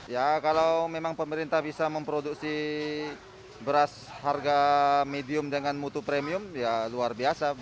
ya kalau memang pemerintah bisa memproduksi beras harga medium dengan mutu premium ya luar biasa